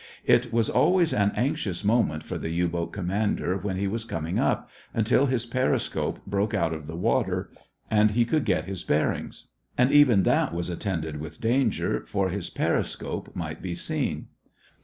It was always an anxious moment for the U boat commander, when he was coming up, until his periscope broke out of the water and he could get his bearings; and even that was attended with danger, for his periscope might be seen.